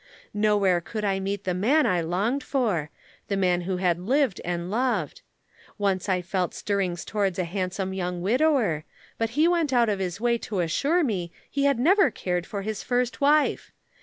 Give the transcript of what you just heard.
Nowhere could I meet the man I longed for the man who had lived and loved. Once I felt stirrings towards a handsome young widower, but he went out of his way to assure me he had never cared for his first wife.